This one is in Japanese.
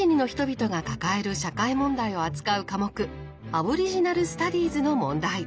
アボリジナル・スタディーズの問題。